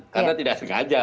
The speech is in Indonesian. karena tidak sengaja